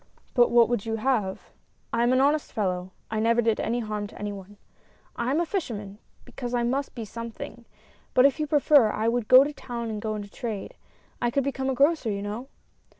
" But what would you have ? I am an honest fellow, I never did any harm to any one ; I am a fisherman, because I must be something, but if you prefer, I would go to town and go into trade. I could become a grocer, you know."